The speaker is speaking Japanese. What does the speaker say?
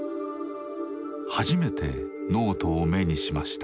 初めてノートを目にしました。